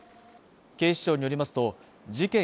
警視庁によりますと事件